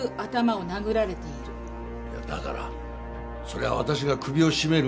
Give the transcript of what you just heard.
いやだからそれは私が首を絞める前に。